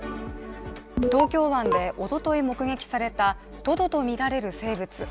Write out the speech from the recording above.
東京湾でおととい目撃されたトドとみられる生物。